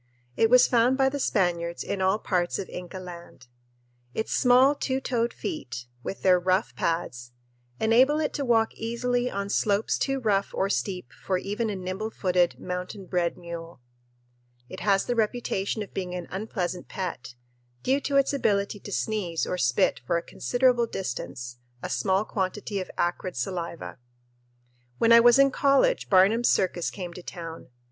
It was found by the Spaniards in all parts of Inca Land. Its small two toed feet, with their rough pads, enable it to walk easily on slopes too rough or steep for even a nimble footed, mountain bred mule. It has the reputation of being an unpleasant pet, due to its ability to sneeze or spit for a considerable distance a small quantity of acrid saliva. When I was in college Barnum's Circus came to town.